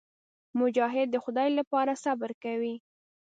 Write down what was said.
مجاهد د خدای لپاره صبر کوي.